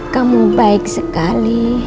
kamu baik sekali